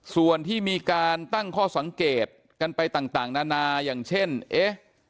ส่วนที่มีการตั้งข้อสังเกตกันไปต่างนานาอย่างเช่นเอ๊ะ